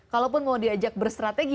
kalaupun mau diajak bersrategi